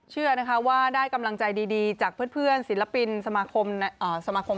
เชื่อนะคะว่าได้กำลังใจดีจากเพื่อนศิลปินสมาคม